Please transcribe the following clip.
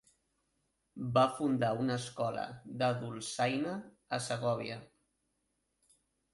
Va fundar una escola de dolçaina a Segòvia.